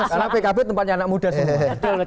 karena pkb tempatnya anak muda semua